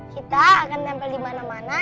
kita akan nempel di mana mana